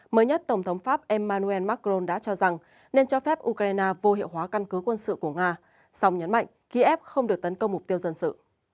mới nhất tổng thống pháp emmanuel macron đã cho rằng nên cho phép ukraine vô hiệu hóa căn cứ quân sự của nga song nhấn mạnh kiev không được tấn công mục tiêu dân sự